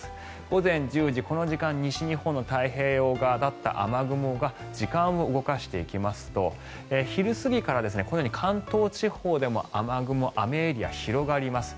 午前１０時、この時間西日本の太平洋側だった雨雲が時間を動かしていきますと昼過ぎからこのように関東地方でも雨雲、雨エリア広がります。